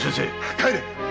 帰れ！